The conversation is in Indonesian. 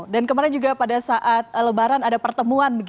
dan kemarin juga pada saat lebaran ada pertemuan